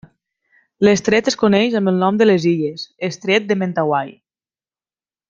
L'estret es coneix amb el nom de les illes, estret de Mentawai.